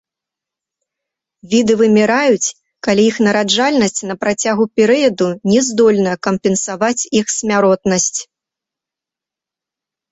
Віды выміраюць, калі іх нараджальнасць на працягу перыяду не здольна кампенсаваць іх смяротнасць.